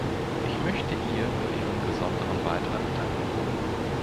Ich möchte ihr für ihren besonderen Beitrag danken.